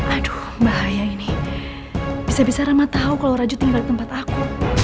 aduh bahaya ini bisa bisa rama tahu kalau raju tinggal di tempat aku